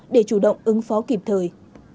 để chủ động ứng phó kịp thời